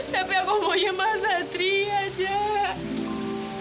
tapi aku maunya mas satria zah